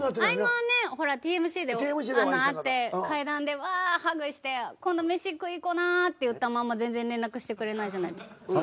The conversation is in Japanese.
合間はねほらＴＭＣで会って階段でわあハグして「今度飯食いに行こな」って言ったまんま全然連絡してくれないじゃないですか。